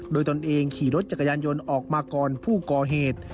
โดยตนเองขี่รถจักรยานยนต์ออกมาก่อนผู้ก่อเหตุ